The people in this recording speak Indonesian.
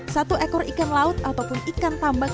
satu ekor ikan laut ataupun ikan tambang